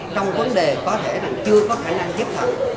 trong vấn đề có thể là chưa có khả năng giúp thẳng